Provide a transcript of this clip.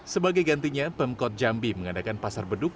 sebagai gantinya pemkot jambi mengadakan pasar beduk